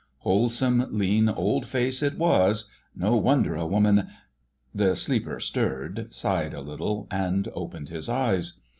Wholesome, lean old face it was; no wonder a woman... The sleeper stirred, sighed a little, and opened his eyes.